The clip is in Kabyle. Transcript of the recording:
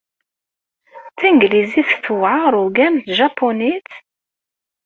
Tanglizit tewɛeṛ ugar n tjapunit?